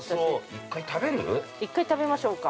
◆１回食べましょうか。